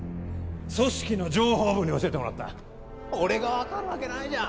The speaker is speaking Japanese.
組織の情報部に教えてもらった俺が分かるわけないじゃん